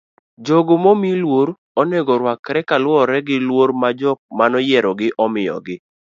jogo momi luor onego ruakre kaluwore gi luor ma jok manoyierogi omiyogi